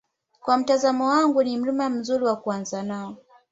kwa mtizamo wangu ni Mlima mzuri wa kuanza nao